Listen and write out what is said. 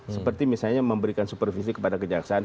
seperti misalnya memberikan supervisi kepada kejaksaan